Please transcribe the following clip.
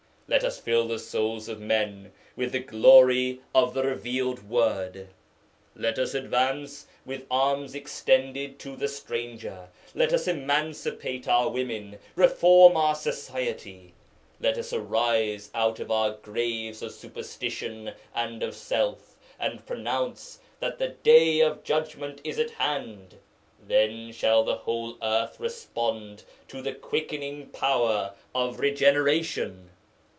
Let us fill the souls of men with the glory of the revealed word. Let us advance with arms extended to the stranger. Let us emancipate our women, reform our society. Let us arise out of our graves of superstition and of self, and pronounce that the Day of Judgment is at hand; then shall the whole earth respond to the quickening power of regeneration!'